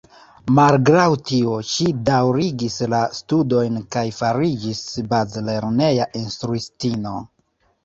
Malgraŭ tio, ŝi daŭrigis la studojn kaj fariĝis bazlerneja instruistino.